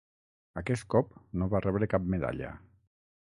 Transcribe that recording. Aquest cop, no va rebre cap medalla.